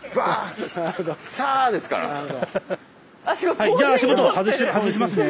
はいじゃあ足元外しますね。